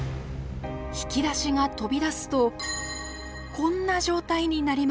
引き出しが飛び出すとこんな状態になります。